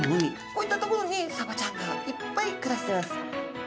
こういった所にサバちゃんがいっぱい暮らしてます。